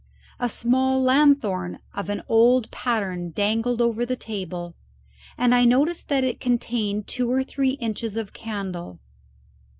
A small lanthorn of an old pattern dangled over the table, and I noticed that it contained two or three inches of candle.